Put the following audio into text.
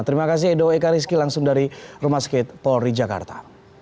terima kasih edo eka rizky langsung dari rumah sakit poli jakarta